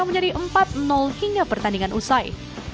menjadi empat hingga pertandingan usai